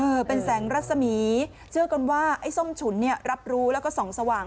เป็นแสงรัศมีร์เชื่อกันว่าไอ้ส้มฉุนเนี่ยรับรู้แล้วก็ส่องสว่าง